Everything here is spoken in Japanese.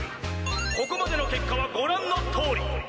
ここまでの結果はご覧のとおり。